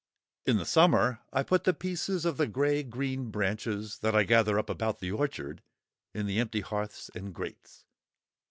In the summer I put the pieces of the grey green branches, that I gather up about the orchard, in the empty hearths and grates.